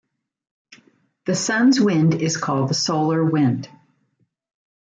The Sun's wind is called the solar wind.